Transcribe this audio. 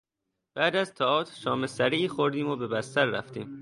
بعد از تئاتر شام سریعی خوردیم و به بستر رفتیم.